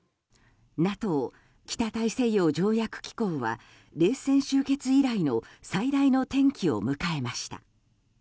ＮＡＴＯ・北大西洋条約機構は冷戦終結以来の最大の転機を迎えました。